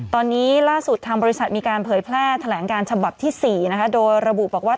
ตอนนี้ล่าสุดทางบริษัทมีการเผยแพร่แถลงการฉบับที่๔นะคะโดยระบุบอกว่า